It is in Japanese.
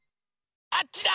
あっちだ！